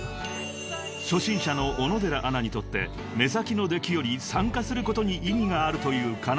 ［初心者の小野寺アナにとって目先の出来より参加することに意義があると言うＫａｎａｎｃＥ師匠］